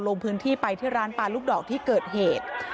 ลงพื้นที่ไปที่ร้านปลาลูกดอกที่เกิดเหตุ